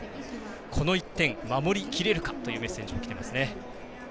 この１点、守りきれるかというメッセージもきてますね。